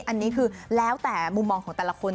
อันนี้คือแล้วแต่มุมมองของแต่ละคน